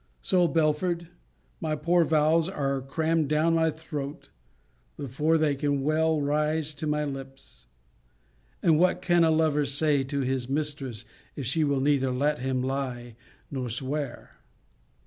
So, Belford, my poor vows are crammed down my throat, before they can well rise to my lips. And what can a lover say to his mistress, if she will neither let him lie nor swear?